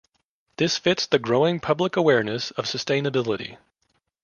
This fits the growing public awareness of sustainability.